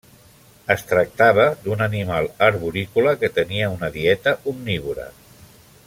Es tractava d'un animal arborícola que tenia una dieta omnívora.